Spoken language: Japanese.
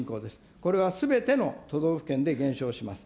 これはすべての都道府県で減少します。